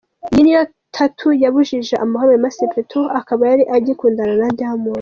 Iyo ni yo tatoo yabujije amahoro Wema Sepetu aha akaba yari agikundana na Diamond